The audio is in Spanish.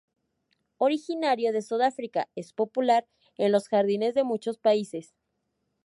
Originario de Sudáfrica, es popular en los jardines de muchos países.